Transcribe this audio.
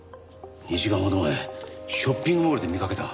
２時間ほど前ショッピングモールで見かけた。